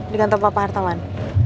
di kantor bapak hartaman